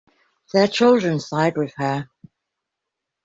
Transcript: Their children side with her.